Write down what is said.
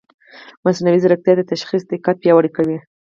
مصنوعي ځیرکتیا د تشخیص دقت پیاوړی کوي.